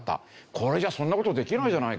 これじゃそんな事できないじゃないか。